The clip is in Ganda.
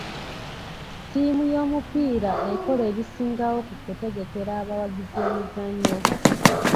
Ttiimu y'omupiira ekola ebisingawo ku kutegekera abawagizi emizannyo.